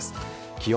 気温。